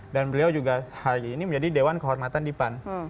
dan beliau juga hari ini menjadi dewan kehormatan di pan